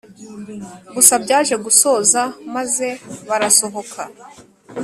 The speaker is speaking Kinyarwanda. gusa byaje gusoza maze barasohoka